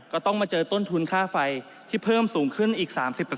ก็ต้องมาเจอต้นทุนค่าไฟที่เพิ่มสูงขึ้นอีก๓๐